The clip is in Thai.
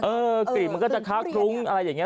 เออกลิ่นมันก็จะทักลุ้งอะไรอย่างนี้